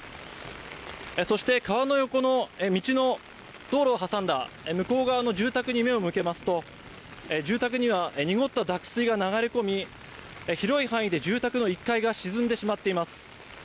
そして、川の横の道の道路を挟んだ向こう側の住宅に目を向けますと、住宅には濁った濁水が流れ込み、広い範囲で住宅の１階が沈んでしまっています。